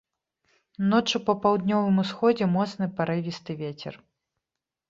Ноччу па паўднёвым усходзе моцны парывісты вецер.